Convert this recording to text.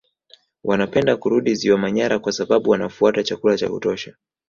Wanapenda kurudi Ziwa Manyara kwa sababu wanafuata chakula cha kutosha